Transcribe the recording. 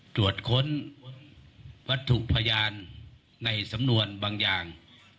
จวดค้นว่าถูกพยานในสำนวนบางอย่าง